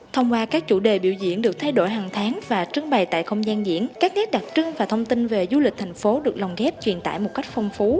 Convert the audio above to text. thông qua các chủ đề biểu diễn được thay đổi hàng tháng và trưng bày tại không gian diễn các nét đặc trưng và thông tin về du lịch thành phố được lồng ghép truyền tải một cách phong phú